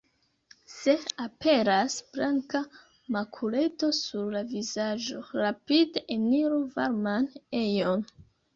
Se aperas blanka makuleto sur la vizaĝo, rapide eniru varman ejon.